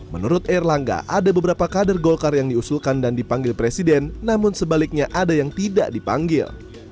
menurut erlangga ada beberapa kader golkar yang diusulkan dan dipanggil presiden namun sebaliknya ada yang tidak dipanggil